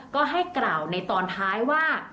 ก็ให้กล่าวในตอนท้ายว่า